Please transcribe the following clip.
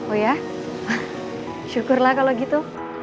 oh ya syukurlah kalau gitu